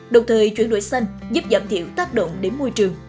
đồng thời chuyển đổi xanh giúp giảm thiểu tác động đến môi trường